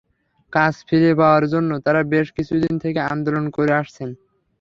কাজ ফিরে পাওয়ার জন্য তাঁরা বেশ কিছুদিন থেকে আন্দোলন করে আসছেন।